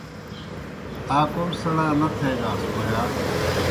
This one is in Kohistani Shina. آ کوْم سیْݨا نہ تھیگاس بوْ یا؟